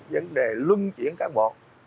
vấn đề lung chuyển cán bộ